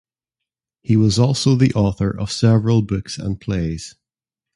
He was also the author of several books and plays.